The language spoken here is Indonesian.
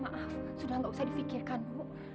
maaf sudah gak usah di fikirkan bu